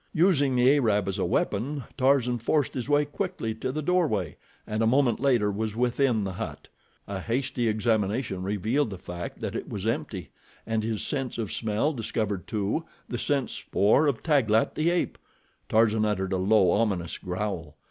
Using the Arab as a weapon, Tarzan forced his way quickly to the doorway, and a moment later was within the hut. A hasty examination revealed the fact that it was empty, and his sense of smell discovered, too, the scent spoor of Taglat, the ape. Tarzan uttered a low, ominous growl.